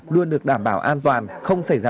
luôn được đảm bảo an toàn không xảy ra